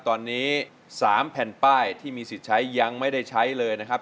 ตอนนี้๓แผ่นป้ายที่มีสิทธิ์ใช้ยังไม่ได้ใช้เลยนะครับ